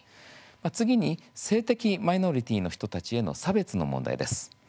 次に、性的マイノリティーの人たちへの差別の問題です。